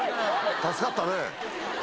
助かったね。